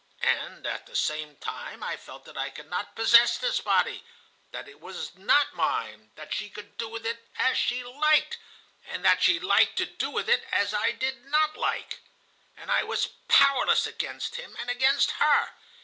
And at the same time I felt that I could not possess this body, that it was not mine, that she could do with it as she liked, and that she liked to do with it as I did not like. And I was powerless against him and against her.